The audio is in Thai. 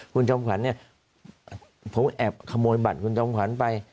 คุณจอมขวัญเนี่ยผมแอบขโมยบัตรคุณจอมขวัญไป